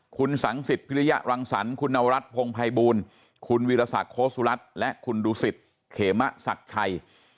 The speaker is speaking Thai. คุณสังสิทธิ์พิริยรังสรรคุณนวรัฐพงภัยบูรณ์คุณวิรสัครโศรัตน์และคุณดุสิทธิ์เขมะศักดิ์ชัย